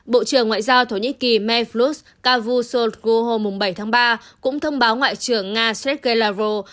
bộ trưởng ngoại giao thổ nhĩ kỳ mevlut cavusoglu hôm bảy ba cũng thông báo ngoại trưởng nga svetlana ruh